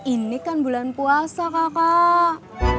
ini kan bulan puasa kakak